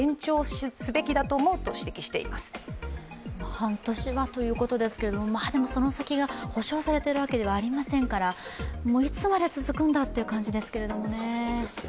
半年はということですけれどもその先が保証されているわけではありませんからいつまで続くんだという感じですけどね。